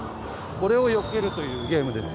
これをよけるというゲームです。